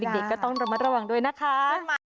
เด็กก็ต้องระมัดระวังด้วยนะคะ